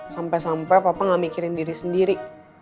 sampai sampai papa gak mikirin diri sendiri